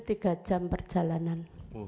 tiga jam perjalanan